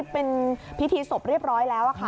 เป็นพิธีศพเรียบร้อยแล้วค่ะ